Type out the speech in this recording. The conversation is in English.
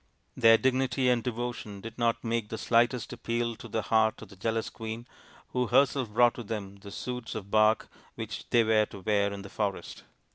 Their dignity and devotion did not make the slightest appeal to the heart of the jealous queen, \\ ho herself brought to them the suits of hark which they were to wear in the forest.